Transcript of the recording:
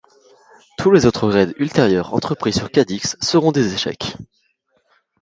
Tous les autres raids ultérieurs entrepris sur Cadix seront des échecs.